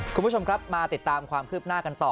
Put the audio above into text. คุณผู้ชมครับมาติดตามความคืบหน้ากันต่อ